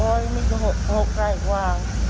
โอ้ยมีก็หกหกก็อีกว่า